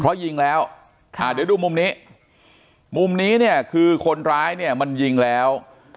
เพราะยิงแล้วเดี๋ยวดูมุมนี้มุมนี้เนี่ยคือคนร้ายเนี่ยมันยิงแล้ว